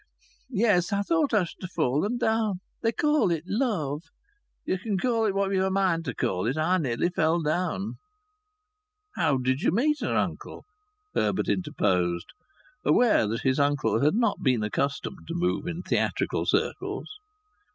Yes, I thought I should ha' fallen down. They call'n it love. You can call it what ye'n a mind for call it. I nearly fell down." "How did you meet her, uncle?" Herbert interposed, aware that his uncle had not been accustomed to move in theatrical circles.